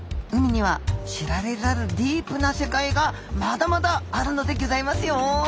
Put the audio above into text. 海には知られざるディープな世界がまだまだあるのでぎょざいますよ。